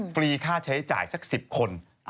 ฟรีค่าใช้จ่ายสัก๑๐คน